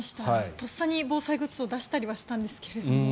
とっさに防災グッズを出したりはしたんですが。